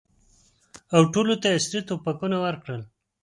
او ټولو ته یې عصري توپکونه ورکړل.